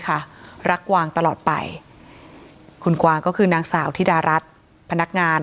ค่ะรักกวางตลอดไปคุณกวางก็คือนางสาวธิดารัฐพนักงาน